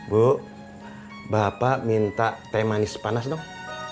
bu bapak minta teh manis panas dong